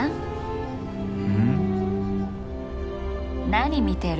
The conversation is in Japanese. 何見てる？